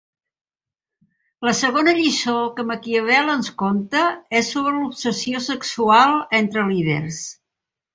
La segona lliçó que Maquiavel ens conta és sobre l'obsessió sexual entre líders.